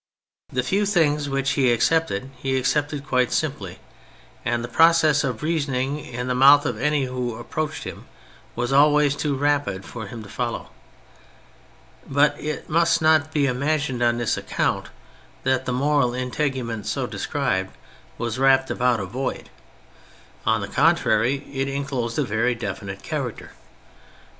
The few things which he accepted he accepted quite simply, and the process of reasoning in the mouth of any who approached him was always too rapid for him to follow. But it must not be imagined on this account that the moral integument so described was wrapped about a void. On the contrary^ it enclosed a very definite character.